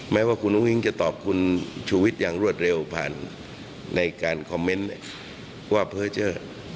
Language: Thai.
แม้ว่าคุณอุ้งจะตอบคุณชูวิทย์อย่างรวดเร็วผ่านในการคอมเมนต์ว่าเพอร์เจอร์